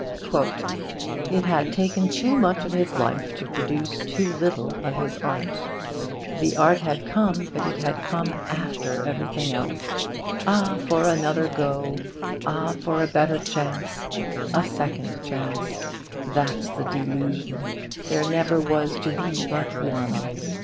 "It had taken too much of his life to produce too little of his art The art had come, but it had come after everything else. 'Ah, for another go! ah, for a better chance.'... 'A second chance that's the delusion. There never was to be but one.